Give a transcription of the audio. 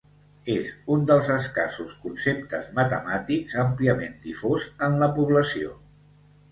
És un dels escassos conceptes matemàtics àmpliament difós en la població.